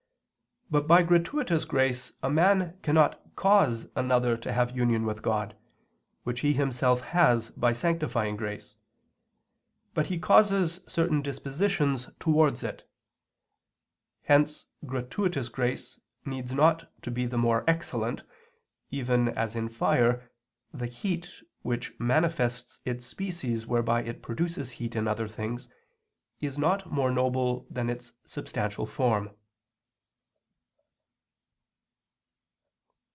But by gratuitous grace a man cannot cause another to have union with God, which he himself has by sanctifying grace; but he causes certain dispositions towards it. Hence gratuitous grace needs not to be the more excellent, even as in fire, the heat, which manifests its species whereby it produces heat in other things, is not more noble than its substantial form.